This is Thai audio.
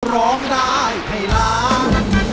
ร้องได้ให้ล้าน